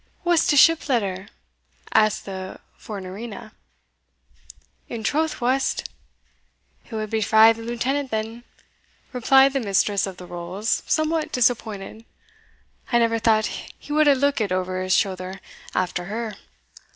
"Wast a ship letter?" asked the Fornerina. "In troth wast." "It wad be frae the lieutenant then," replied the mistress of the rolls, somewhat disappointed "I never thought he wad hae lookit ower his shouther after her."